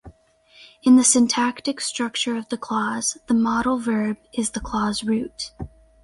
In the syntactic structure of the clause, the modal verb is the clause root.